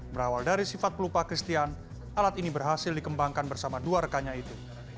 berawal dari sifat pelupa christian alat ini berhasil dikembangkan bersama dua rekannya itu